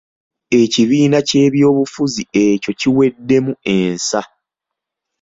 Ekibiina ky'ebyobufuzi ekyo kiweddemu ensa.